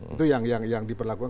itu yang diperlakukan